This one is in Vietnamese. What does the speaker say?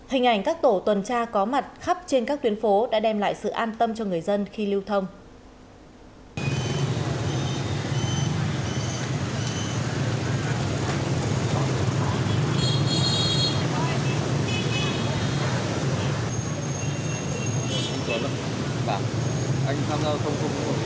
hình ảnh các tổ tuần tra có mặt khắp trên các tuyến phố đã đem lại sự an tâm cho người dân khi lưu thông